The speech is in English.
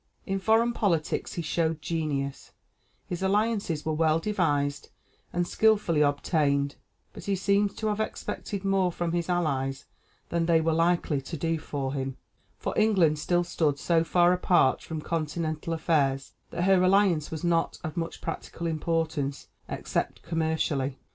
In foreign politics he showed genius; his alliances were well devised and skilfully obtained, but he seems to have expected more from his allies than they were likely to do for him, for England still stood so far apart from continental affairs, that her alliance was not of much practical importance, except commercially.